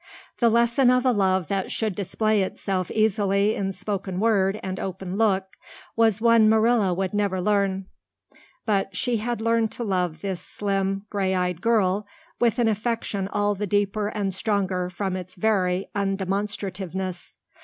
The lesson of a love that should display itself easily in spoken word and open look was one Marilla could never learn. But she had learned to love this slim, gray eyed girl with an affection all the deeper and stronger from its very undemonstrativeness.